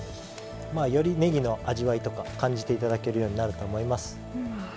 よりねぎの味わいとか感じて頂けるようになると思います。